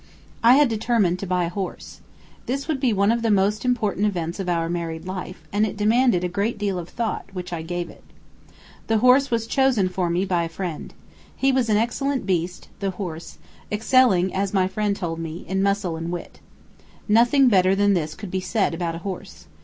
I had determined to buy a horse. This would be one of the most important events of our married life, and it demanded a great deal of thought, which I gave it. The horse was chosen for me by a friend. He was an excellent beast (the horse), excelling, as my friend told me, in muscle and wit. Nothing better than this could be said about a horse.